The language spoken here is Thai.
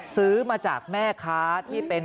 ซื้อมาจากแม่ค้าที่เป็น